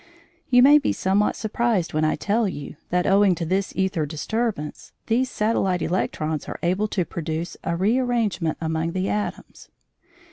You may be somewhat surprised when I tell you that, owing to this æther disturbance, these satellite electrons are able to produce a rearrangement among the atoms.